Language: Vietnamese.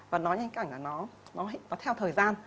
và nó nhanh cảnh là nó theo thời gian